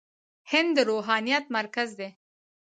هند د روحانيت مرکز دی.